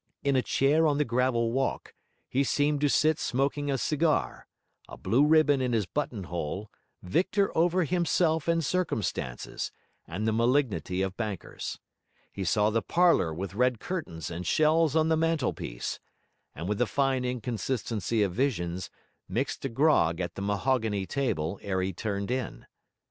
In a chair on the gravel walk, he seemed to sit smoking a cigar, a blue ribbon in his buttonhole, victor over himself and circumstances, and the malignity of bankers. He saw the parlour with red curtains and shells on the mantelpiece and with the fine inconsistency of visions, mixed a grog at the mahogany table ere he turned in.